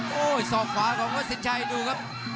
โอ้โหสอกขวาของวัดสินชัยดูครับ